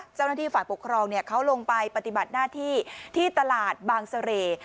เจ้าหน้าที่ฝ่ายปกครองเขาลงไปปฏิบัติหน้าที่ที่ตลาดบางเสร่